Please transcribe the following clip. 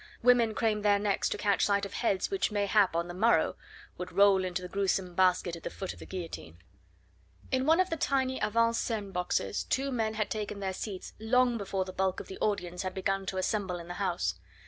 Women craned their necks to catch sight of heads which mayhap on the morrow would roll into the gruesome basket at the foot of the guillotine. In one of the tiny avant scene boxes two men had taken their seats long before the bulk of the audience had begun to assemble in the house.